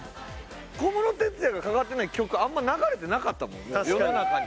小室哲哉が関わってない曲あんま流れてなかったもん世の中に。